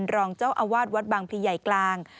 รองเจ้าอวาดวัดบังภีร์ใหญ่กลาง